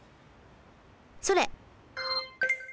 それ。